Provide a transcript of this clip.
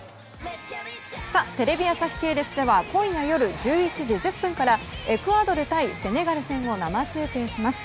テレビ朝日系列では今夜１１時１０分からエクアドル対セネガル戦を生中継します。